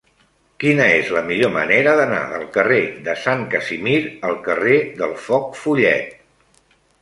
Quina és la millor manera d'anar del carrer de Sant Casimir al carrer del Foc Follet?